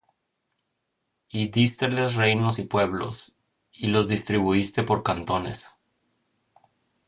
Y dísteles reinos y pueblos, y los distribuiste por cantones: